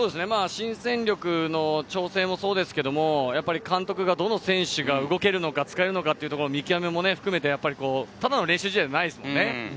新戦力の調整もそうですけれど、監督がどの選手が動けるのか、使えるのかというところの見極めも含めて、ただの練習試合ではないですね。